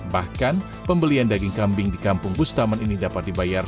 bahkan pembelian daging kambing di kampung bustaman ini dapat dibayar